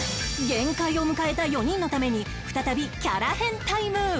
限界を迎えた４人のために再びキャラ変タイム！